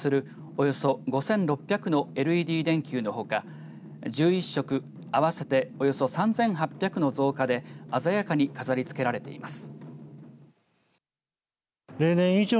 およそ５６００のＬＥＤ電球のほか１１色合わせておよそ３８００の造花で鮮やかに飾りつけられています。